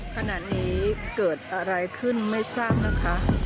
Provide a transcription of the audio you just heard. ขณะนี้เกิดอะไรขึ้นไม่ทราบนะคะ